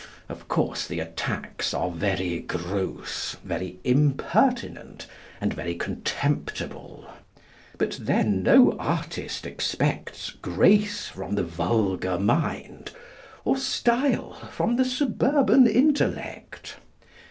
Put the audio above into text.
Of course, the attacks are very gross, very impertinent, and very contemptible. But then no artist expects grace from the vulgar mind, or style from the suburban intellect.